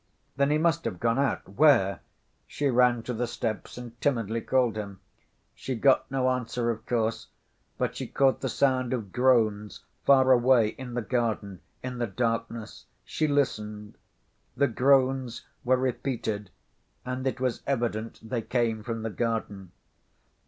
Then he must have gone out—where? She ran to the steps and timidly called him. She got no answer, of course, but she caught the sound of groans far away in the garden in the darkness. She listened. The groans were repeated, and it was evident they came from the garden.